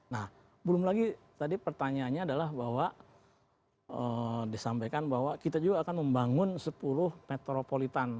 nah belum lagi tadi pertanyaannya adalah bahwa disampaikan bahwa kita juga akan membangun sepuluh metropolitan